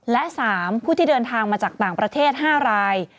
และ๓ผู้ที่เดินทางมาจากต่างประเทศ๕ราย